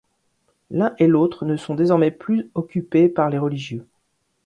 L'un et l'autre ne sont désormais plus occupés par les religieux.